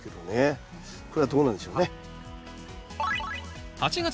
これはどうなんでしょうね。